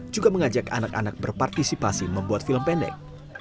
juga mengajak anak anak berpartisipasi membuat film pendek